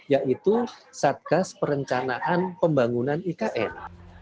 yaitu satgas perencanaan pembangunan ikn